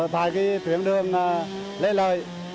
tại cái tuyến đường lê lợi